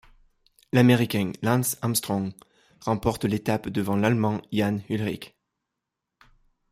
L'Américain Lance Armstrong remporte l'étape devant l'Allemand Jan Ullrich.